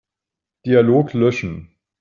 Dialog löschen.